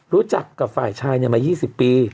รู้จักกับฝ่ายชายมา๒๐ปี